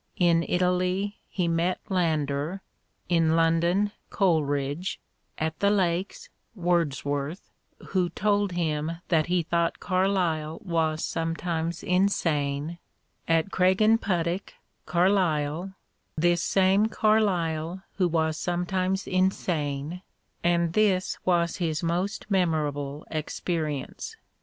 In Italy he met Lander ; in London, Coleridge ; at the Lakes, Wordsworth, who told him liiat he thought Carlyle was sometimes insane ; at Craigenputtock, Carlyle, this same Carlyle who was] sometimes insane — and this was his most memorable experience.